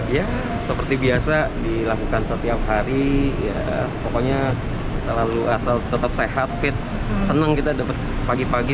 ya seperti biasa dilakukan setiap hari ya pokoknya selalu asal tetap sehat fit senang kita dapat pagi pagi